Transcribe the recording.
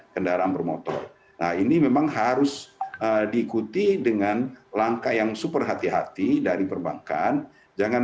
kendaraan bermotor nah ini memang harus diikuti dengan langkah yang super hati hati dari perbankan jangan